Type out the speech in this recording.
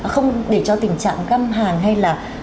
không để cho tình trạng găm hàng hay là